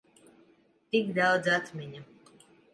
Tik daudz atmiņu.